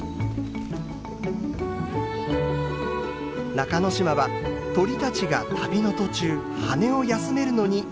中之島は鳥たちが旅の途中羽を休めるのに格好の場所です。